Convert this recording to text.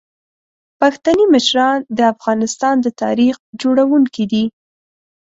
پښتني مشران د افغانستان د تاریخ جوړونکي دي.